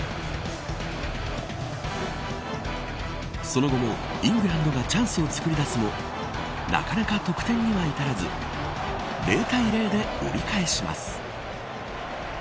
その後もイングランドがチャンスを作り出すもなかなか得点には至らず０対０で折り返します。